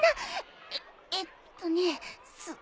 えっえっとねす